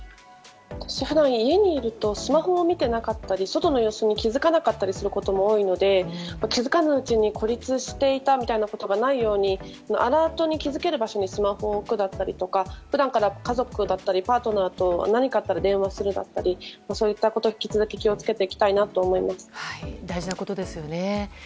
普段、家にいるとスマホも見てなかったり外の様子に気づかないことも多いので気づかぬうちに孤立していたみたいなことがないようにアラートに気付ける場所にスマホを置くだったりとか普段から家族だったりパートナーと何かあったら電話をするだったりそういったことを気を付けていきたいなと思います。